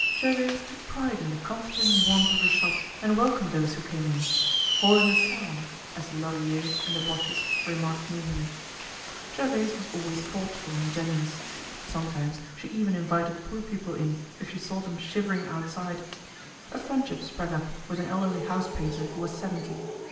Gervaise took pride in the comforting warmth of her shop and welcomed those who came in, "holding a salon," as the Lorilleuxs and the Boches remarked meanly. Gervaise was always thoughtful and generous. Sometimes she even invited poor people in if she saw them shivering outside. A friendship sprang up with an elderly house painter who was seventy.